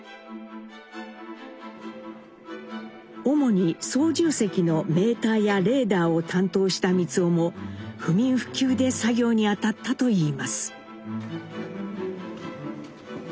主に操縦席のメーターやレーダーを担当した光男も不眠不休で作業にあたったといいます。